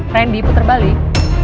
randy putar balik